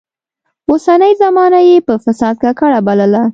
اوسنۍ زمانه يې په فساد ککړه بلله.